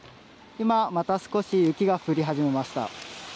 今また少し雪が降り始めました。